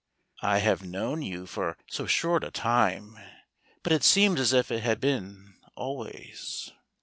" I have known you for so short a time, but it seems as if it had been al¬ ways."